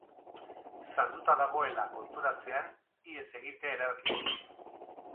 Salduta dagoela Â konturatzean, ihes egitea erabakiko du.